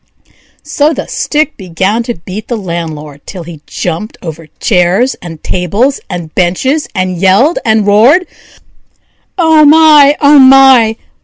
So the stick began to beat the landlord, till he jumped over chairs, and tables, and benches, and yelled and roared: "Oh my! oh my!